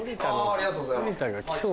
ありがとうございます。